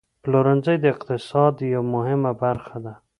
پلورنځی د اقتصاد یوه مهمه برخه ده.